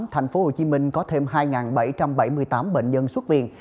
thành phố hồ chí minh có thêm hai bảy trăm bảy mươi tám bệnh nhân xuất viện